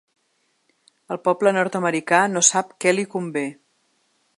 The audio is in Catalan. El poble nord-americà no sap què li convé.